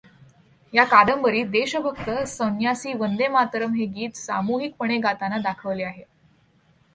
या कादंबरीत देशभक्त संन्यासी वंदे मातरम् हे गीत सामूहिकपणे गाताना दाखवले आहे.